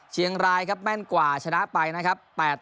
เชียงรายครับแม่นกว่าชนะไปนะครับ